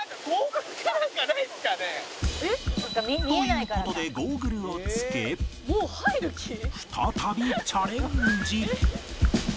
という事でゴーグルを着け再びチャレンジ！